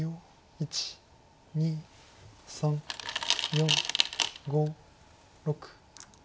１２３４５６。